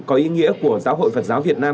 có ý nghĩa của giáo hội phật giáo việt nam